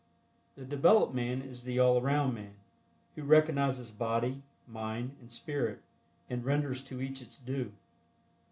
The developed man is the "all around man," who recognizes body, mind and spirit and renders to each its due.